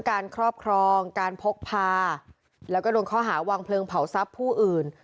ครอบครองการพกพาแล้วก็โดนข้อหาวางเพลิงเผาทรัพย์ผู้อื่น